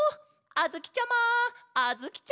あづきちゃま！